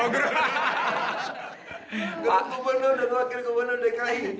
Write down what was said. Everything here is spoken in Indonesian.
gak gubernur dan wakil gubernur dki